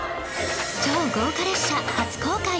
超豪華列車初公開！